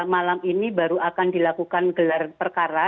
malam ini baru akan dilakukan gelar perkara